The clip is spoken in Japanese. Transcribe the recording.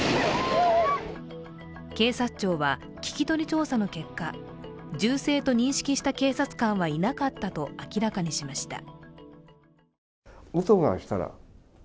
警察庁は聞き取り調査の結果、銃声と認識した警察官はいなかったと明らかにしました。